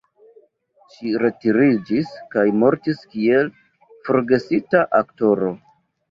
Ŝi retiriĝis kaj mortis kiel forgesita aktoro.